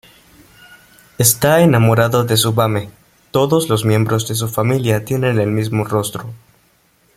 Está enamorado de Tsubame.Todos los miembros de su familia tienen el mismo rostro.